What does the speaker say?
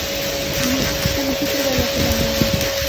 Юҡ һәм ишетергә лә теләмәйем!